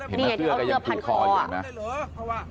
เห็นไหมเสื้อก็ยังกลูกคอเห็นไหม